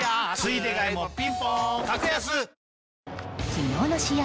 昨日の試合